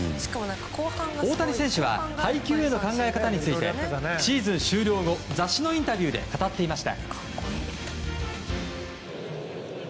大谷選手は配球への考え方についてシーズン終了後雑誌のインタビューで語っていました。